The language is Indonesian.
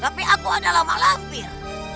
tapi aku adalah maklum pir